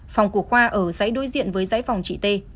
phòng của khoa ở giấy đối diện với giấy phòng chị t